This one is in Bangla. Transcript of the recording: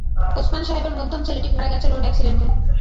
ওসমান সাহেবের মধ্যম ছেলেটি মারা গেছে রোড অ্যাক্সিডেন্টে।